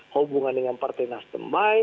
hubungan dengan partai nasdembasi